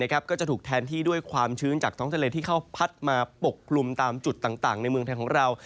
ก็จะถูกแทนที่ด้วยความชื้นจากท้องทะเลที่เข้าพัดมาปกกลุ่มตามจุดต่างในเมืองไทยของเรา